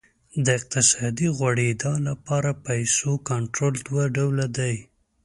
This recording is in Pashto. د اقتصادي غوړېدا لپاره پیسو کنټرول دوه ډوله دی.